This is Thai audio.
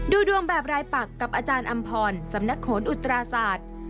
ดูดวงแบบรายปักกับอาจารย์อำพรสำนักโหนอุตราศาสตร์